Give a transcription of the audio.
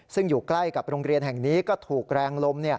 ซึ่งอยู่ใกล้กับโรงเรียนแห่งนี้ก็ถูกแรงลม